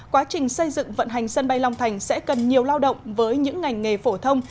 quá trình xây dựng vận hành sân bay long thành sẽ cần nhiều lao động với những ngành nghề phổ thông